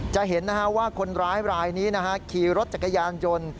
จะเห็นว่าคนร้ายรายนี้ขี่รถจักรยานยนต์